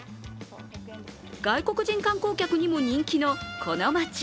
外国人観光客にも人気の、この街。